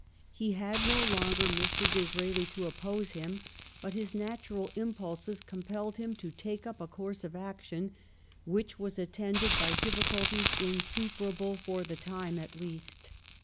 He had no longer Mr. Disraeli to oppose him, but his natural impulses compelled him to take up a course of action which was attended by difficulties insuperable for the time at least.